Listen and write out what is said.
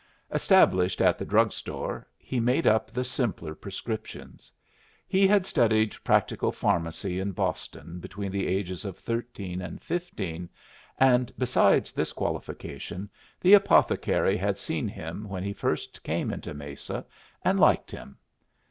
Established at the drug store, he made up the simpler prescriptions. He had studied practical pharmacy in Boston between the ages of thirteen and fifteen, and, besides this qualification, the apothecary had seen him when he first came into Mesa, and liked him.